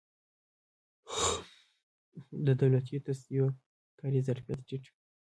د دولتي تصدیو کاري ظرفیت ټیټ وي.